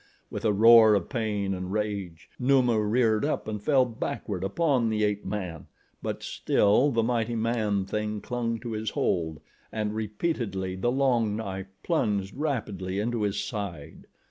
With a roar of pain and rage, Numa reared up and fell backward upon the ape man; but still the mighty man thing clung to his hold and repeatedly the long knife plunged rapidly into his side.